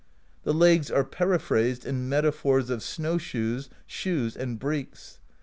The legs are periphrased in metaphors of snow shoes, shoes, and breeks.